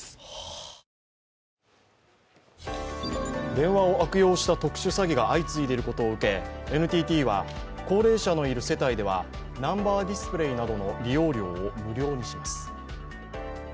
電話を悪用した特殊詐欺が相次いでいることを受けＮＴＴは高齢者のいる世帯ではナンバーディスプレーなどの利用料を無料にします。